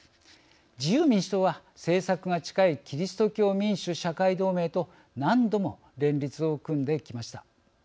自由民主党は政策が近いキリスト教民主社会同盟と何度も連立を組んできました。